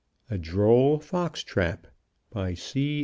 A DROLL FOX TRAP By C.